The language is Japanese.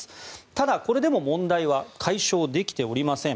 ただ、これでも問題は解消できておりません。